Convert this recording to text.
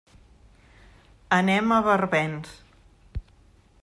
Anem a Barbens.